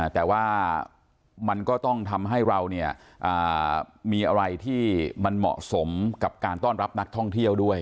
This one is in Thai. แต่ว่ามันก็ต้องทำให้เรามีอะไรที่มันเหมาะสมกับการต้อนรับนักท่องเที่ยวด้วย